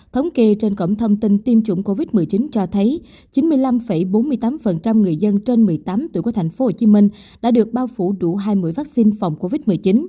thống kỳ trên cổng thông tin tiêm chủng covid một mươi chín cho thấy chín mươi năm bốn mươi tám người dân trên một mươi tám tuổi của thành phố hồ chí minh đã được bao phủ đủ hai mũi vaccine phòng covid một mươi chín